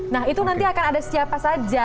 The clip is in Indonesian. nah itu nanti akan ada siapa saja